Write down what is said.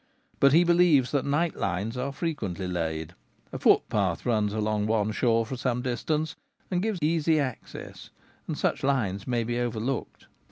But he believes that night lines are frequently laid : a footpath runs along one shore for some distance, and gives easy access, and such lines may be overlooked.